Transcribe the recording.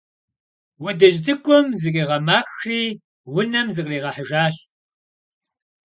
Удыжь цӀыкӀум зыкъигъэмэхри унэм зыкъригъэхьыжащ.